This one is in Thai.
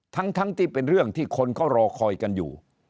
ทั้งที่เป็นเรื่องที่คนก็รอคอยกันอยู่